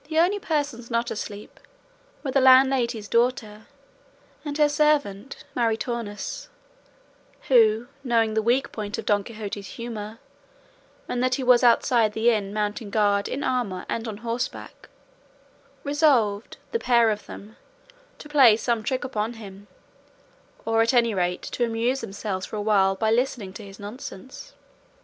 The only persons not asleep were the landlady's daughter and her servant Maritornes, who, knowing the weak point of Don Quixote's humour, and that he was outside the inn mounting guard in armour and on horseback, resolved, the pair of them, to play some trick upon him, or at any rate to amuse themselves for a while by listening to his nonsense.